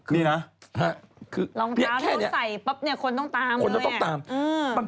รองเท้าที่เขาใส่ปั๊บคนต้องตามด้วย